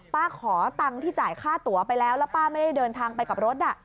ขอตังค์ที่จ่ายค่าตัวไปแล้วแล้วป้าไม่ได้เดินทางไปกับรถ